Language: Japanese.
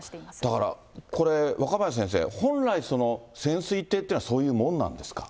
だから、これ、若林先生、本来、潜水艇ってのはそういうもんなんですか。